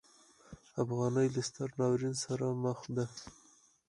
افغانۍ له ستر ناورین سره مخ ده.